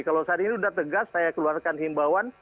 kalau saat ini sudah tegas saya keluarkan himbauan